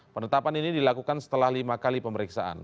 penetapan ini dilakukan setelah lima kali pemeriksaan